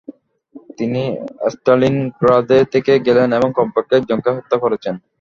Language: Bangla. তিনি স্ট্যালিনগ্রাদে থেকে গেলেন এবং কমপক্ষে একজনকে হত্যা করেছেন।